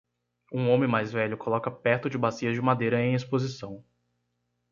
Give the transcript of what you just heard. Um homem mais velho coloca perto de bacias de madeira em exposição.